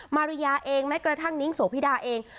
มาริยาเองแม้กระทั่งนิ้งโสพิดาเอง